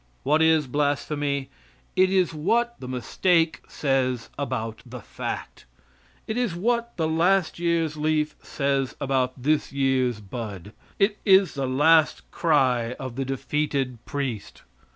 What is blasphemy? It is what the mistake says about the fact. It is what the last year's leaf says about this year's bud. It is the last cry of the defeated priest.